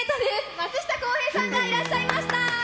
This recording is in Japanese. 松下洸平さんがいらっしゃいました。